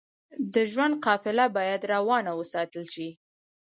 د ژوند قافله بايد روانه وساتل شئ.